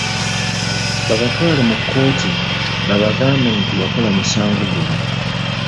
Babatwale mu makooti babagambe nti wakola musango guno.